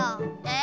え